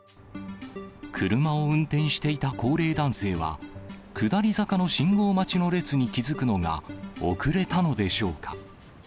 車を運転していた高齢男性は、下り坂の信号待ちの列に気付くのが遅れたのでしょうか。